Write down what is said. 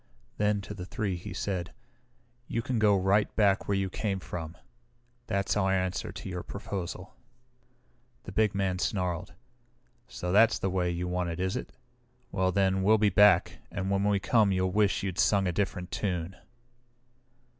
Then to the three he said, "You can go right back where you came from. That's our answer to your proposal." The big man snarled. "So that's the way you want it, is it? Well then, we'll be back, and when we come you'll wish you'd sung a different tune!"